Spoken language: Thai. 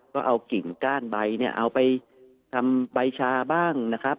ก็เอากิ่งก้านใบเนี่ยเอาไปทำใบชาบ้างนะครับ